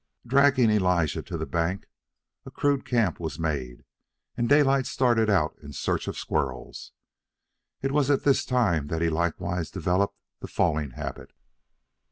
Dragging Elijah to the bank, a rude camp was made, and Daylight started out in search of squirrels. It was at this time that he likewise developed the falling habit.